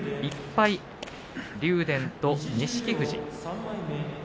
１敗が竜電と錦富士。